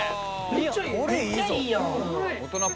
めっちゃいいやん。